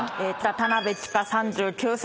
田辺智加３９歳。